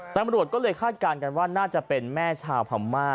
ตำรวจก็เลยคาดการณ์กันว่าน่าจะเป็นแม่ชาวพม่า